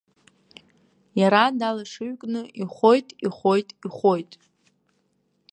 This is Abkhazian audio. Иара далашыҩкны ихәоит, ихәоит, ихәоит.